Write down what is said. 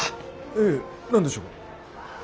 ええ何でしょう。